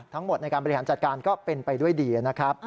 ทั้งหมดในการบริหารจัดการก็เป็นไปด้วยดีนะครับ